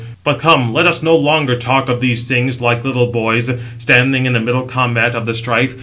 But come, let us no longer talk of these things, like little boys, standing in the middle combat of the strife.